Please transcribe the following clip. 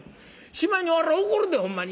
しまいに俺は怒るでほんまに！」。